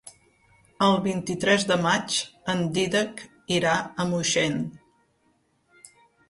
El vint-i-tres de maig en Dídac irà a Moixent.